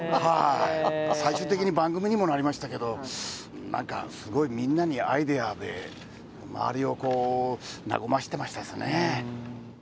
最終的に番組にもなりましたけど、なんかすごいみんなにアイデアで周りを和ませてましたですね。